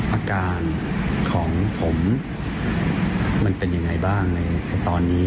อาการของผมมันเป็นยังไงบ้างในตอนนี้